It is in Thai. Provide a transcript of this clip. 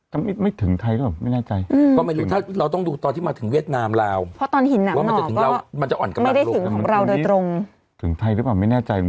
กระทบถึงเมืองไทยหรือเปล่าใช่